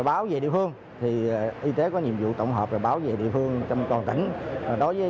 báo về địa phương thì y tế có nhiệm vụ tổng hợp rồi báo về địa phương trong toàn tỉnh đối với